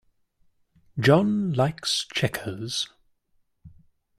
John likes checkers.